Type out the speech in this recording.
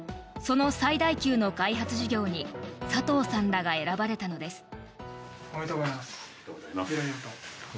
その最大級の開発事業に佐藤さんらが選ばれたのです。